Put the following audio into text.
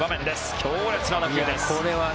強烈な打球です。